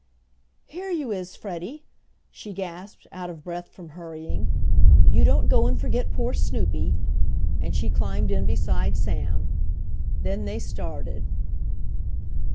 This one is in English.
"Here you is, Freddie!" she gasped, out of breath from hurrying. "You don't go and forget poor Snoopy!" and she climbed in beside Sam. Then they started.